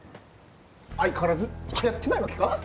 相変わらずはやってないわけか？